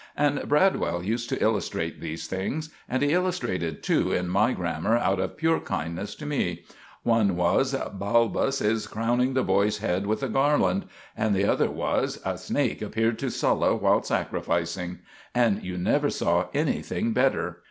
And Bradwell used to illustrate these things; and he illustrated two in my grammar out of puer kindness to me. One was, "Balbus is crowning the boy's head with a garland"; and the other was, "A snake appeared to Sulla while sacrifising"; and you never saw anything better.